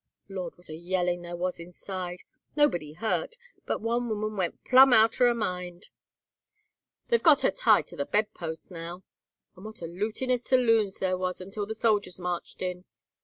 Lord! what a yellin' there was inside! Nobody hurt, but one woman went plumb out'r her mind. They've got her tied to the bed post now. And what a lootin' of saloons there was until the soldiers marched in!